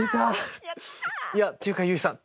いやっていうか結衣さん